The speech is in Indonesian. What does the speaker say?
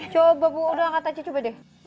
coba bu udah angkat aja coba deh